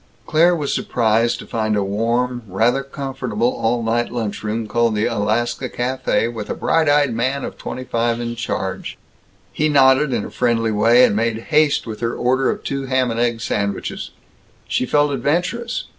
Claire was surprised to find a warm, rather comfortable all night lunch room, called the Alaska Café, with a bright eyed man of twenty five in charge. He nodded in a friendly way, and made haste with her order of two ham and egg sandwiches. She felt adventurous.